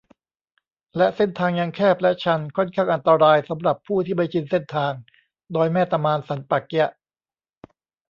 และเส้นทางยังแคบและชัน ค่อนข้างอันตรายสำหรับผู้ที่ไม่ชินเส้นทาง ดอยแม่ตะมาน สันป่าเกี๊ยะ